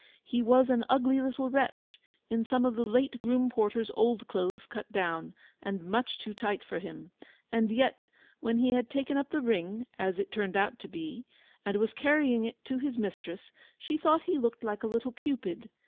He was an ugly little wretch, in some of the late groom porter's old clothes cut down, and much too tight for him; and yet, when he had taken up the ring (as it turned out to be), and was carrying it to his mistress she thought he looked like a little Cupid.